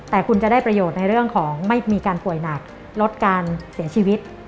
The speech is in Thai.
แต่คุณจะได้ประโยชน์ในเรื่องของไม่มีการป่วยหนักลดการเสียชีวิต